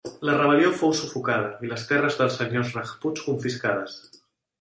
La rebel·lió fou sufocada i les terres dels senyors rajputs confiscades.